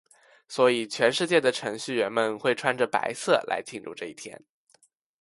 所以全世界的程序员们会穿着白色来庆祝这一天。